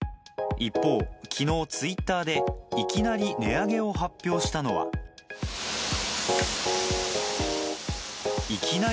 一方、きのうツイッターで、いきなり値上げを発表したのは、いきなり！